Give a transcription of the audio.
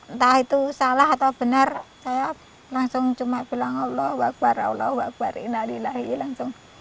entah itu salah atau benar saya langsung cuma bilang allah waqbar allah waqbar inna lillahi langsung